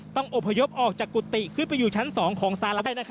ต้องอพยพออกจากกุฏติขึ้นไปอยู่ชั้น๒ของสาระได้นะครับ